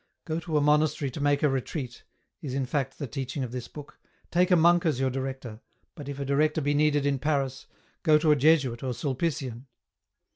Go to a monastery to make a Retreat, is in fact the teaching of this book, take a monk as your director, but if a director be needed in Paris, go to a Jesuit or a Sulpician.